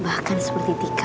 bahkan seperti tika